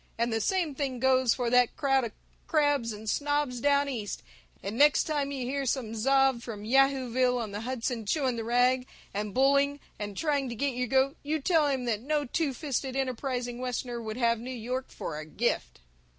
And the same thing goes for that crowd of crabs and snobs Down East, and next time you hear some zob from Yahooville on the Hudson chewing the rag and bulling and trying to get your goat, you tell him that no two fisted enterprising Westerner would have New York for a gift!